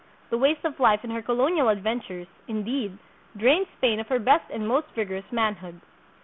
The waste of life in her colonial adventures, indeed, drained Spain of her best and most vigorous manhood.